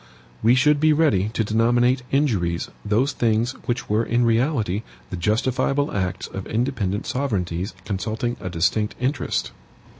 WE SHOULD BE READY TO DENOMINATE INJURIES THOSE THINGS WHICH WERE IN REALITY THE JUSTIFIABLE ACTS OF INDEPENDENT SOVEREIGNTIES CONSULTING A DISTINCT INTEREST.